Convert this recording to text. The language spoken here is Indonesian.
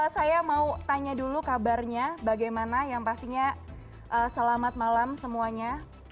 saya mau tanya dulu kabarnya bagaimana yang pastinya selamat malam semuanya